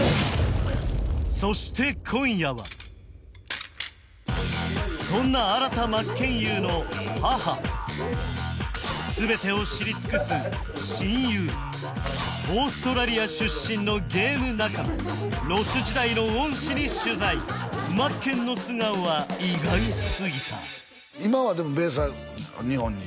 そして今夜はそんな全てを知り尽くす親友オーストラリア出身のゲーム仲間ロス時代の恩師に取材まっけんの素顔は意外すぎた今はでもベースは日本に？